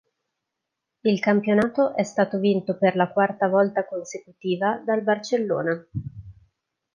Il campionato è stato vinto per la quarta volta consecutiva dal Barcellona.